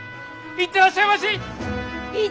行ってらっしゃいまし！